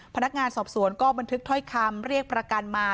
พนักงานสอบสวนก็บันทึกถ้อยคำเรียกประกันมา